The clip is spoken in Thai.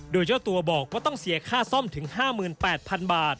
โดยเจ้าตัวบอกว่าต้องเสียค่าซ่อมถึง๕๘๐๐๐บาท